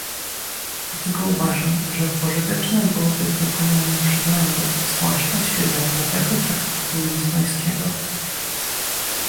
Dlatego uważam, że pożyteczne byłoby dokonanie przeglądu, zwłaszcza w świetle nowego traktatu lizbońskiego